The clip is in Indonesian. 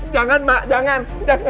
jangan ma jangan